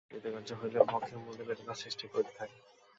অকৃতকার্য হইলে বক্ষের মধ্যে বেদনার সৃষ্টি করিতে থাকে।